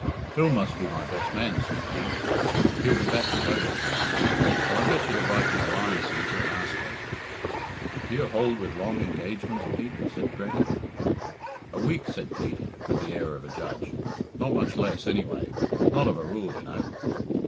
"Phil must be my best man," said Pete. "He'll be back to Douglas now, but I'll get you to write me a line, Cæsar, and ask him." "Do you hold with long engagements, Pete?" said Grannie. "A week," said Pete, with the air of a judge; "not much less anyway not of a rule, you know."